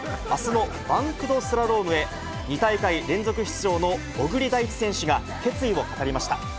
あすのバンクドスラロームへ、２大会連続出場の小栗大地選手が決意を語りました。